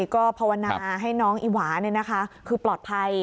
ก็ภาวนาให้น้องอีหวาคือปลอดภัย